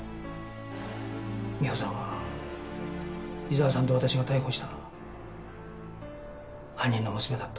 美穂さんは伊沢さんと私が逮捕した犯人の娘だった。